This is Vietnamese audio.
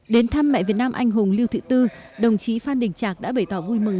đến thăm mẹ việt nam anh hùng lưu thị tư đồng chí phan đình trạc đã bày tỏ vui mừng